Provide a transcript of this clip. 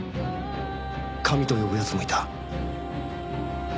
「神」と呼ぶ奴もいた。